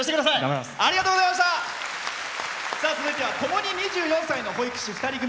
続いては共に２４歳の保育士２人組。